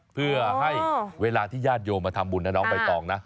เพื่อให้เวลาที่ญาติโยมมาทำบุญนะน้องใบตองนะ